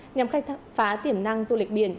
nhằm khai thác phá tiềm năng du lịch biển